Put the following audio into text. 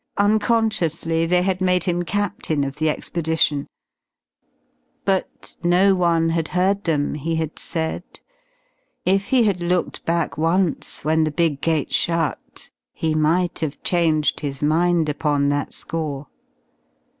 Unconsciously they had made him captain of the expedition. But no one had heard them, he had said? If he had looked back once when the big gate shut, he might have changed his mind upon that score.